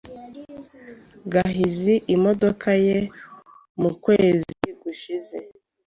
Gahizi imodoka ye mu kwezi gushize.